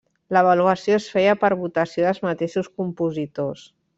L'avaluació es feia per votació dels mateixos compositors.